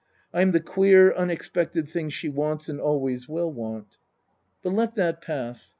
I'm the queer, unexpected thing she wants and always will want. "But let that pass.